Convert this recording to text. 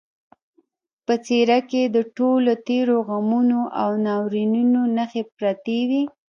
په څېره کې یې د ټولو تېرو غمونو او ناورینونو نښې پرتې وې